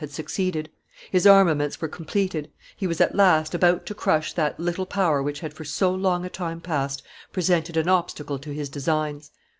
had succeeded; his armaments were completed; he was at last about to crush that little power which had for so long a time past presented an obstacle to his designs.